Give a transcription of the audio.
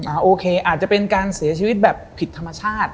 โอเคอาจจะเป็นการเสียชีวิตแบบผิดธรรมชาติ